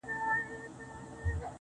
کلونه کيږي چي ولاړه يې روانه نه يې.